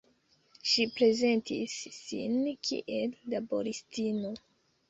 Ŝi prezentis sin kiel laboristino.